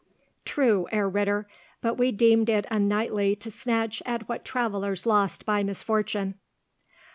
"True, Herr Ritter; but we deemed it unknightly to snatch at what travellers lost by misfortune."